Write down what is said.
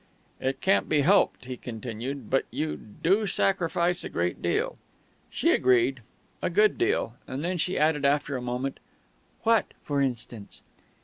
"It can't be helped," he continued, "but you do sacrifice a good deal." She agreed: a good deal; and then she added after a moment, "What, for instance?"